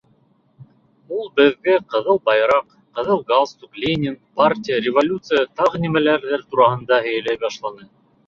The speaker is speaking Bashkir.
Ул беҙгә ҡыҙыл байраҡ, ҡыҙыл галстук, Ленин, партия, революция, тағы нимәләрҙер тураһында һөйләй башланы.